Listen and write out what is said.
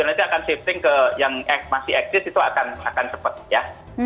nanti akan shifting ke yang masih eksis itu akan cepat ya